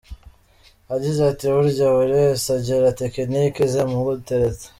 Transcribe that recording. Yagize ati “Burya buri wese agira tekiniki ze mu gutereta.